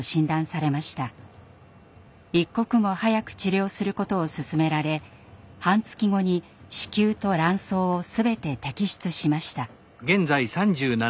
一刻も早く治療することを勧められ半月後に子宮と卵巣を全て摘出しました。